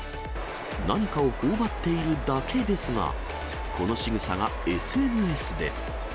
何かをほおばっているだけですが、このしぐさがＳＮＳで。